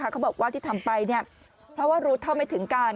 เขาบอกว่าที่ทำไปเพราะว่ารู้เท่าไม่ถึงการ